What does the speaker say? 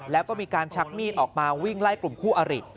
แล้วก็มีการชักมีดออกมาวิ่งไล่กลุ่มคู่อริ